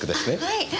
はい。